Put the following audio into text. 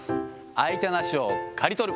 相手の足を刈り取る。